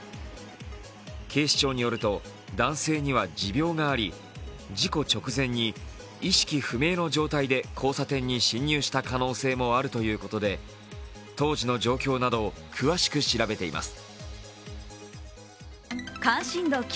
警視庁によると男性には持病があり、事故直前に意識不明の状態で交差点に進入した可能性もあるということで当時の状況などを詳しく調べています。